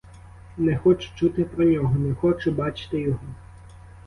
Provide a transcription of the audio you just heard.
Не хочу чути про нього, не хочу бачити його.